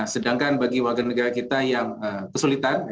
sedangkan bagi warga negara kita yang kesulitan